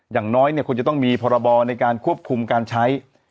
อย่างน้อยคุณจะต้องมีพรบในการควบคุมการใช้